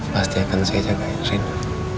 pasti akan saya jagain rina